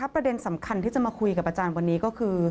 ประเด็นสำคัญที่จะมาคุยกับอาจารย์วันนี้ก็คือ